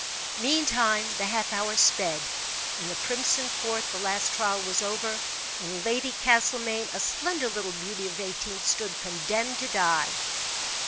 Meantime, the half hour sped. In the crimson court the last trial was over, and Lady Castlemaine, a slender little beauty of eighteen stood condemned to die.